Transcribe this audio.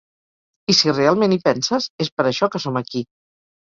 I si realment hi penses, és per això que som aquí.